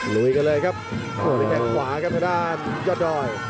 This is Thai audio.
ลุยกันเลยครับโอ้โหนี่แค่ขวากันทางด้านยอดดอย